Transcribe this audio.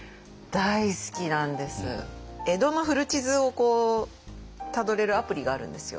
江戸の古地図をたどれるアプリがあるんですよ。